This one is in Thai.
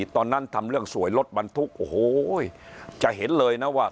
ตอนนั้นทำเรื่องสวยรถบรรทุกโอ้โหจะเห็นเลยนะว่า